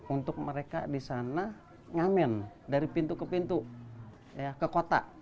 untuk mereka di sana ngamen dari pintu ke pintu ke kota